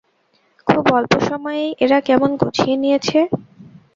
খুব অল্প সময়েই এরা কেমন গুছিয়ে নিয়েছে।